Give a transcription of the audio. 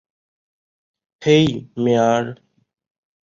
হেই, মেয়ার!